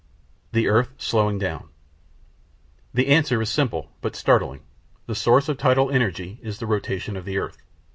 The Earth Slowing down The answer is simple, but startling. _The source of tidal energy is the rotation of the earth.